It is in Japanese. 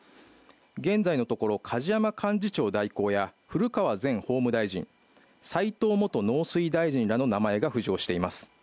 現在のところ、梶山幹事長代行や古川前法務大臣、斎籐元農水大臣らの名前が浮上しています。